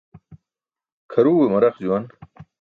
Kʰaruwe maraq juwan.